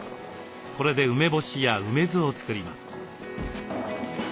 これで梅干しや梅酢を作ります。